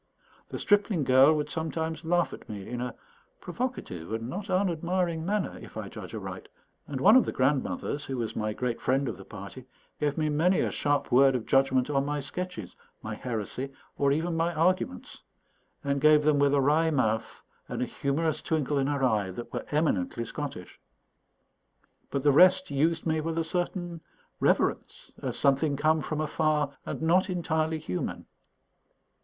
The stripling girl would sometimes laugh at me in a provocative and not unadmiring manner, if I judge aright; and one of the grandmothers, who was my great friend of the party, gave me many a sharp word of judgment on my sketches, my heresy, or even my arguments, and gave them with a wry mouth and a humorous twinkle in her eye that were eminently Scottish. But the rest used me with a certain reverence, as something come from afar and not entirely human.